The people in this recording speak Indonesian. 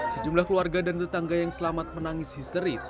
sejumlah keluarga dan tetangga yang selamat menangis histeris